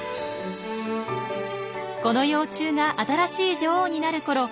この幼虫が新しい女王になるころ